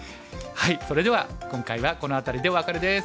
それでは今回はこの辺りでお別れです。